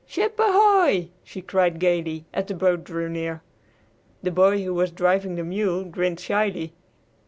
"Ship ahoy!" she cried gayly as the boat drew near. The boy who was driving the mule grinned shyly.